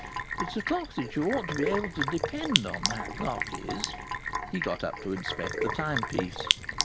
It's a clock that you ought to be able to depend on, that clock is." He got up to inspect the timepiece.